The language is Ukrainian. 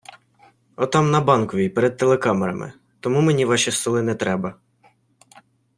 Отам на Банковій перед телекамерами, тому мені Ваші столи нетреба.